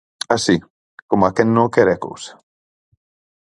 Así, coma quen non quere a cousa.